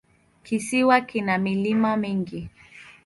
Kisiwa kina milima mingi.